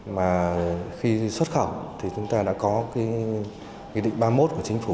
mà khi xuất khẩu thì chúng ta đã có cái nghị định ba mươi một của chính phủ